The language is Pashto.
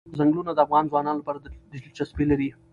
ځنګلونه د افغان ځوانانو لپاره دلچسپي لري.